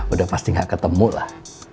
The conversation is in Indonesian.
udah pasti gak ketemu lah